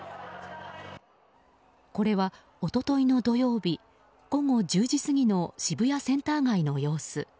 これは、一昨日の土曜日午後１０時過ぎの渋谷センター街の様子。